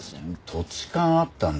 土地勘あったんだ。